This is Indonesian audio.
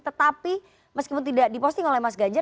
tetapi meskipun tidak diposting oleh mas ganjar